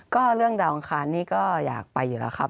ก็เรื่องดาวอังคารนี้ก็อยากไปอยู่แล้วครับ